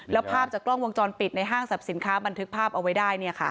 แล้วภาพจากกล้องวงจรปิดในห้างสรรพสินค้าบันทึกภาพเอาไว้ได้